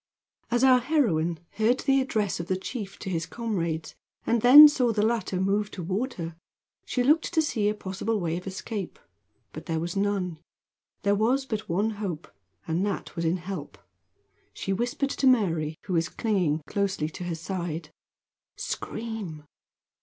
As our heroine heard the address of the chief to his comrades, and then saw the latter move toward her, she looked to see a possible way of escape, but there was none. There was but one hope, and that was in help. She whispered to Mary, who was clinging closely to her side: "Scream!"